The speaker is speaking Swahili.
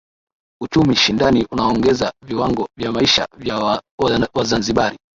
Uchumi shindani unaongeza viwango vya maisha vya Wazanzibari